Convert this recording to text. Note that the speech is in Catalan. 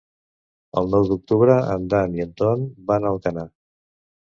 El nou d'octubre en Dan i en Ton van a Alcanar.